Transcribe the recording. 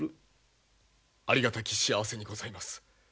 ありがたき幸せにございます。